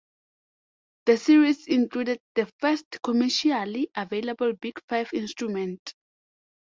The series included the first commercially available Big Five instrument.